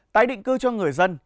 tái định cư cho người dân